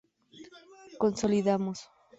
consolidamos